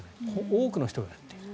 多くの人がやっている。